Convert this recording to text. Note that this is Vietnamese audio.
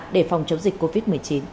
để phòng chống dịch covid một mươi chín